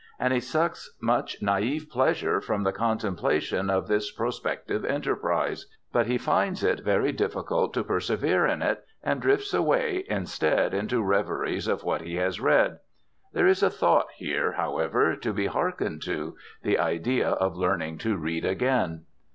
And he sucks much naive pleasure from the contemplation of this prospective enterprise; but he finds it very difficult to persevere in it, and drifts away instead into reveries of what he has read. There is a thought here, however, to be hearkened to: the idea of learning to read again.